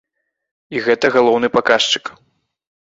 І гэта галоўны паказчык.